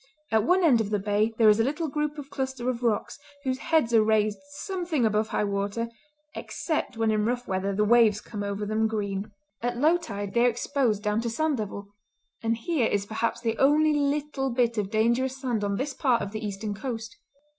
At one end of the bay there is a little group or cluster of rocks whose heads are raised something above high water, except when in rough weather the waves come over them green. At low tide they are exposed down to sand level; and here is perhaps the only little bit of dangerous sand on this part of the eastern coast.